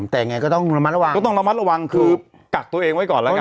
แต่ยังไงก็ต้องระมัดระวังก็ต้องระมัดระวังคือกักตัวเองไว้ก่อนแล้วกัน